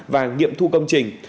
và nghiệm thu công trình